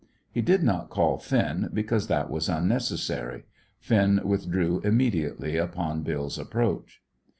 He did not call Finn, because that was unnecessary. Finn withdrew immediately upon Bill's approach.